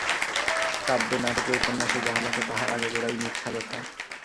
কাব্যে নাটকে উপন্যাসে যাহা লেখে তাহার আগাগোড়াই মিথ্যা কথা!